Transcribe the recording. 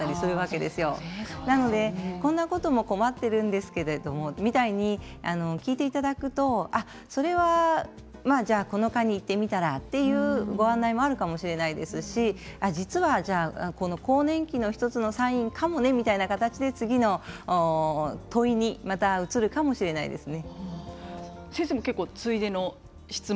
ですから、こんなことも困っているんですけど、みたいに聞いていただくと、それはこの科に行ってみたらというような方はねいいかもしれませんし実は更年期の１つのサインかもねみたいな形で次の問いにまた移るかもしれませんね。